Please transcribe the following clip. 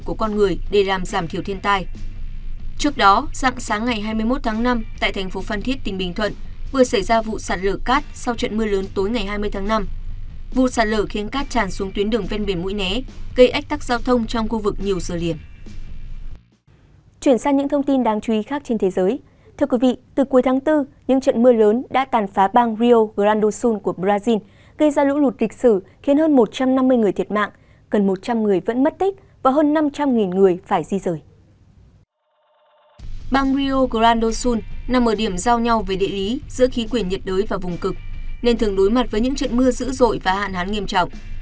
băng rio grande do sul nằm ở điểm giao nhau về địa lý giữa khí quyển nhiệt đới và vùng cực nên thường đối mặt với những trận mưa dữ dội và hạn hán nghiêm trọng